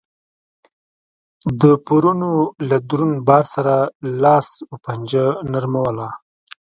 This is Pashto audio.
د پورونو له دروند بار سره لاس و پنجه نرموله